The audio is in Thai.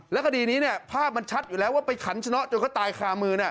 คดีนี้ภาพมันชัดอยู่แล้วว่าไปขันชะเนาะจนเขาตายคามือ